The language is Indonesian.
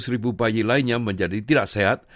tiga ratus ribu bayi lainnya menjadi tidak sehat